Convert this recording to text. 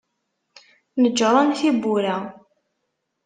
Neǧǧren tiwwura.